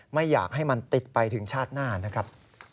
ไม่อยากให้มันติดไปถึงชาติหน้านะครับ